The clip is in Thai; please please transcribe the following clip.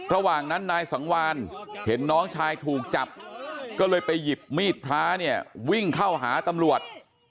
ระหว่างนั้นนายสังวานเห็นน้องชายถูกจับก็เลยไปหยิบมีดพระเนี่ยวิ่งเข้าหาตำรวจ